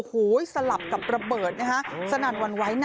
กลุ่มน้ำเบิร์ดเข้ามาร้านแล้ว